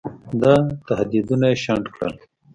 دا تهدیدونه یې شنډ کړل.